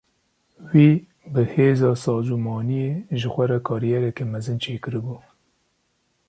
Wî bi hêza sazûmaniyê ji xwe re kariyereke mezin çêkiribû.